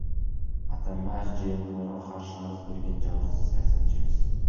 Атамбаев ЖМКларга каршы арыз берген жалгыз саясатчы эмес.